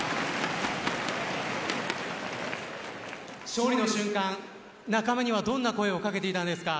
勝利の瞬間、仲間にはどんな声を掛けていたんですか？